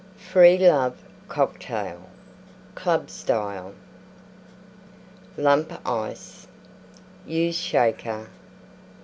FREE LOVE COCKTAIL Club Style Lump Ice. Use Shaker.